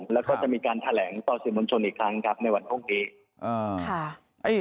แล้วก็จะมีการแถลงต่อสื่อมวลชนอีกครั้งครับในวันพรุ่งนี้